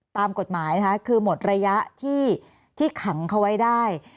ตามกฎหมายนะคะคือหมดระยะที่ขังเขาไว้ได้